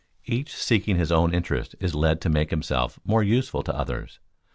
Each seeking his own interest is led to make himself more useful to others.